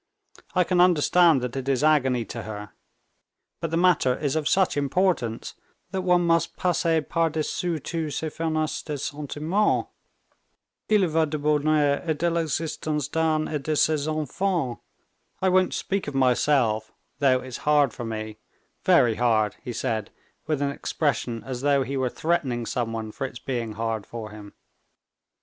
I can understand that it is agony to her. But the matter is of such importance, that one must passer par dessus toutes ces finesses de sentiment. Il y va du bonheur et de l'existence d'Anne et de ses enfants. I won't speak of myself, though it's hard for me, very hard," he said, with an expression as though he were threatening someone for its being hard for him.